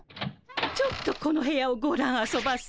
ちょっとこの部屋をごらんあそばせ！